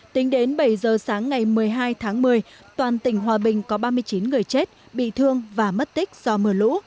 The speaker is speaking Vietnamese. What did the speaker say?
tính đến bảy giờ sáng ngày một mươi hai tháng một mươi toàn tỉnh hòa bình có ba mươi chín người chết bị thương và mất tích do mưa lũ